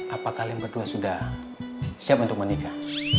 apa kalian berdua sudah siap untuk menikah